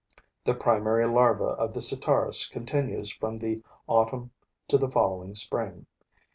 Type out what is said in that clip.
The primary larva of the Sitaris continues from the autumn to the following spring.